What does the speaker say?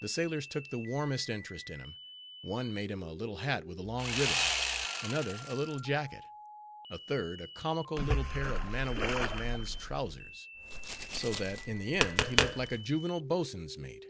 The sailors took the warmest interest in him. One made him a little hat with a long ribbon; another a little jacket; a third a comical little pair of man of war's man's trowsers; so that in the end, he looked like a juvenile boatswain's mate.